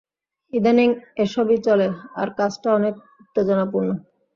ইদানীং এসবই চলে, - আর কাজটা অনেক উত্তেজনাপূর্ণ।